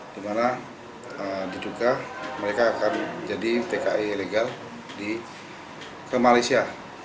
dimana diduga mereka akan jadi tki ilegal ke malaysia